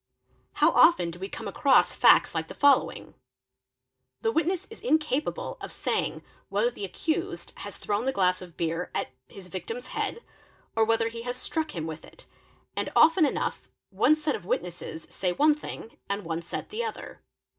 How often do we come across" | facts like the following. The witness is incapable of saying whether the accused has thrown the glass of beer at his victim's head or whether he has struck him with it, and often enough one set of witnesses say one thing and one set the other.